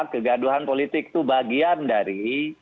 kegaduhan politik itu bagian dari